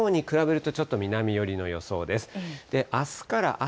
きのうに比べると、ちょっと南寄りの予想です。